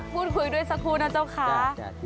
บูรณ์คุยด้วยสักครู่นะเจ้าค้า